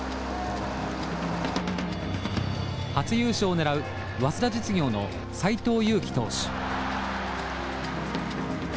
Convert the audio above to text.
初優勝を狙う早稲田実業の斎藤佑樹投手。